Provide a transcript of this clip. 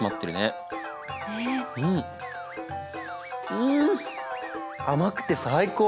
うん甘くて最高！